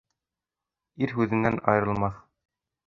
Ир һүҙенән айырылмаҫ.